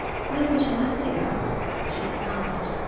'Where would you like to go?' she asked.